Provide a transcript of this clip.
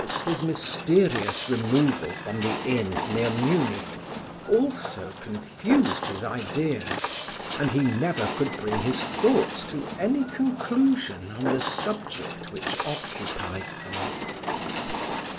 His mysterious removal from the inn near Munich also confused his ideas, and he never could bring his thoughts to any conclusion on the subject which occupied them.